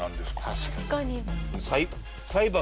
確かに。